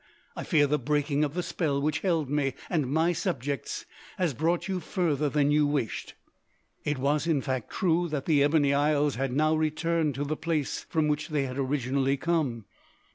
I fear the breaking of the spell which held me and my subjects has brought you further than you wished." It was in fact true that the Ebony Isles had now returned to the place from which they had originally come.